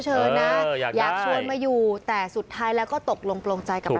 เชิญนะอยากชวนมาอยู่แต่สุดท้ายแล้วก็ตกลงโปรงใจกับเรา